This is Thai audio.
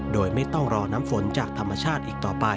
โดยไม่ต้องรอน้ำฝนจากธรรมชาติอีกต่อไป